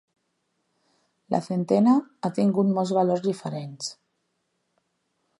La centena ha tingut molts valors diferents.